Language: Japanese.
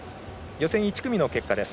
予選１組の結果です。